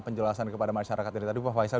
penjelasan kepada masyarakat tadi pak faisal